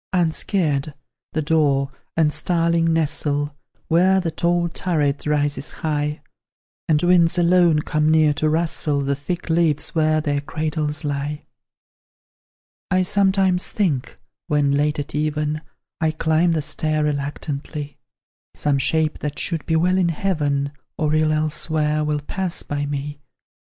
Unscared, the daw and starling nestle, Where the tall turret rises high, And winds alone come near to rustle The thick leaves where their cradles lie, I sometimes think, when late at even I climb the stair reluctantly, Some shape that should be well in heaven, Or ill elsewhere, will pass by me.